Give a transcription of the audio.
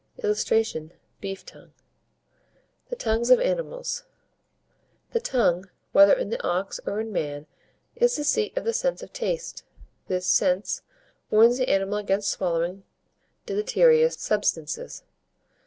[Illustration: BEEF TONGUE.] THE TONGUES OF ANIMALS. The tongue, whether in the ox or in man, is the seat of the sense of taste. This sense warns the animal against swallowing deleterious substances.